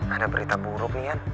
ada berita buruk nih ya